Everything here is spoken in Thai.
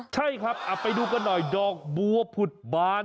ใช่ครับเอาไปดูกันหน่อยดอกบัวผุดบาน